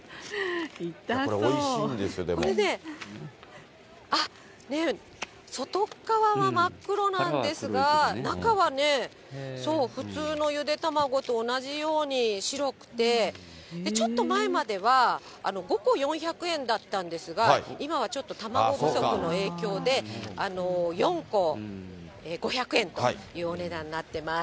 これ、おいしいんですよ、これね、外っ側は真っ黒なんですが、中はね、普通のゆでたまごと同じように白くて、ちょっと前までは、５個４００円だったんですが、今はちょっと卵不足の影響で、４個５００円というお値段になってます。